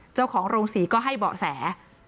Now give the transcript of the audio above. เจ้าของโรงศรีก็ให้เบาะแส